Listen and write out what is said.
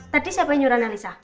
tadi siapa yang nyuruh analisa